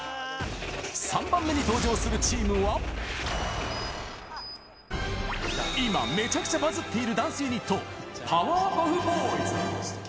３番目に登場するチームは、今、めちゃくちゃバズっているダンスユニット、パワーパフボーイズ。